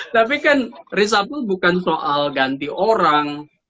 tapi kan reshuffle bukan soal ganti orang